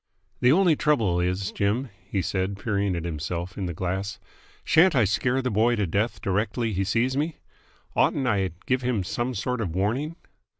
"The only trouble is, Jim," he said, peering at himself in the glass, "shan't I scare the boy to death directly he sees me? Oughtn't I to give him some sort of warning?"